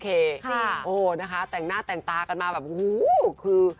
เออนะคะแต่งหน้าแต่งตากันมาแบบคือ